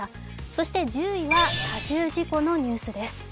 そして１０位は多重事故のニュースです。